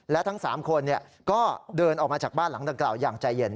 และทั้ง๓คนก็เดินออกมาจากบ้านหลังดังกล่าวอย่างใจเย็น